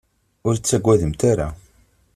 Ur ttagademt ara.